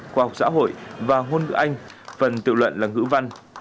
khoa học xã hội và ngôn ngữ anh phần tự luận là ngữ văn